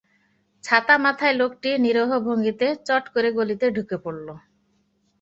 ছাতামাথায় লোকটি নিরীহ ভঙ্গিতে চট করে গলিতে ঢুকে পড়ল।